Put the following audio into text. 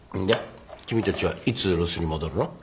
で君たちはいつロスに戻るの？